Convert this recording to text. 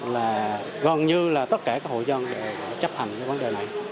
là gần như là tất cả các hội dân đã chấp hành với vấn đề này